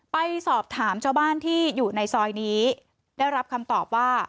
ไปสอบถามชาวบ้านที่อยู่ในซอยนี้ได้รับคำตอบว่า